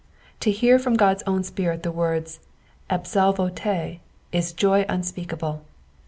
To hear from Ood's own Spirit the words, "oImiIbo te" is joy unspeakable.